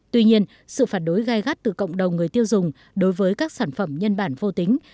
tuy nhiên sự phản đối gai gắt từ cộng đồng người tiêu dùng đối với các sản phẩm nhân bản vô tính